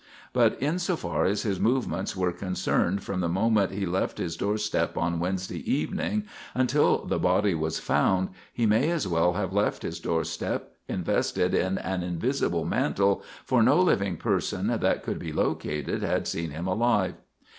But in so far as his movements were concerned from the moment he left his doorstep on Wednesday evening until the body was found, he may as well have left his doorstep invested in an invisible mantle, for no living person that could be located had seen him alive.